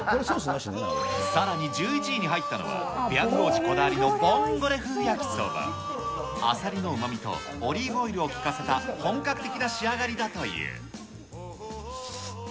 さらに１１位に入ったのは、ペヤング王子こだわりのボンゴレ風やきそば。あさりのうまみと、オリーブオイルを効かせた、本格的な仕上がりだという。